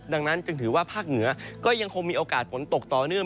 ดังนั้นจึงถือว่าภาคเหนือก็ยังคงมีโอกาสฝนตกต่อเนื่อง